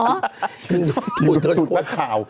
อยู่ที่ดูดนักข่าว